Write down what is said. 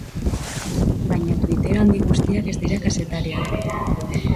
Baina twittero handi guztiak ez dira kazetariak.